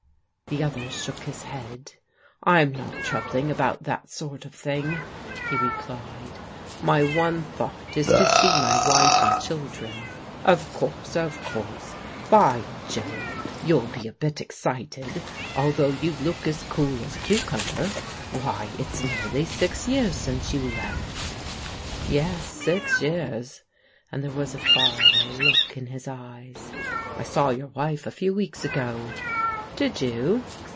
The other shook his head. " I'm not troubling about that sort of thing," he replied ;" my one thought is to see my wife and children." Of course, of course. By Jove, you'll be a bit ex dted, although you look as cool as a cucumber. Why, it's nearly six years since you left." *' Yes, six years," and there was a far away look in his cjres. " I saw your wife a few weeks ago." "Did you?"